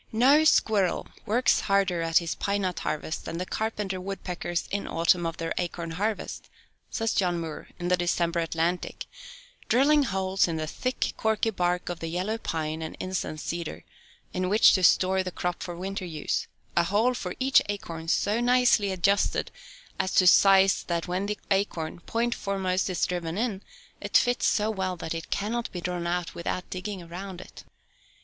No squirrel works harder at his pine nut harvest than the carpenter woodpeckers in autumn at their acorn harvest, says John Muir in the December Atlantic, drilling holes in the thick, corky bark of the yellow pine and incense cedar, in which to store the crop for winter use; a hole for each acorn so nicely adjusted as to size that when the acorn, point fore most, is driven in, it fits so well that it cannot be drawn out without digging around it.